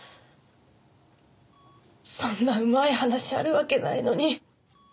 そんなうまい話あるわけないのに。